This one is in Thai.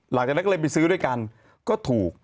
หลังจากนั้นก็เลยไปซื้อด้วยกันก็ถูก